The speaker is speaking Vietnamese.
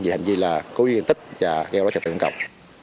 vì hành vi là cố duyên tích và gheo đối trợ tượng cộng